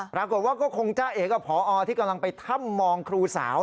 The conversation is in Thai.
ปรากฏว่าก็คงจ้าเอกกับพอที่กำลังไปถ้ำมองครูสาว